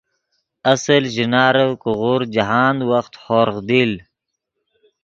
اصل ژینارے کہ غورد جاہند وخت ہورغ دیل